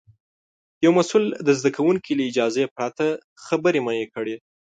یو مسوول د زده کوونکي له اجازې پرته خبرې منع کړې.